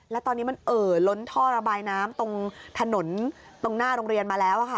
แล้วตอนนี้มันเอ่อล้นท่อระบายน้ำตรงถนนตรงหน้าโรงเรียนมาแล้วค่ะ